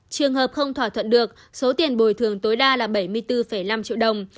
trường hợp không thỏa thuận được số tiền bồi thường tối đa là bảy mươi bốn năm triệu đồng